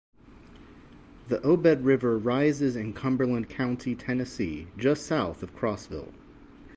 The Obed River rises in Cumberland County, Tennessee, just south of Crossville.